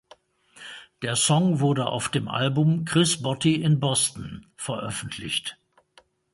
Der Song wurde auf dem Album "Chris Botti in Boston" veröffentlicht.